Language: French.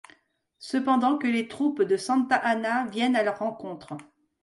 Cependant que les troupes de Santa Anna viennent à leur rencontre.